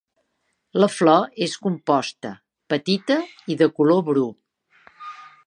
La flor és composta, petita i de color bru.